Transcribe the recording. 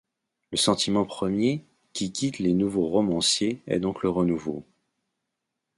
Le sentiment premier qui guide les nouveaux romanciers est donc le renouveau.